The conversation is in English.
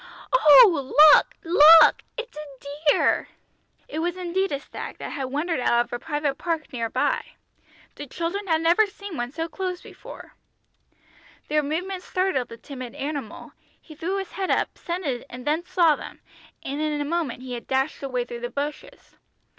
Oh, look, look, it's a deer!" It was indeed a stag, that had wandered out of a private park near. The children had never seen one so close before. Their movements startled the timid animal, he threw his head up, scented and then saw them, and in a moment he had dashed away through the bushes.